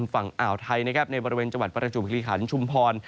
ฝั่งอ่าวไทยในบริเวณจวัตรประจุบิคลีขาลชุมพร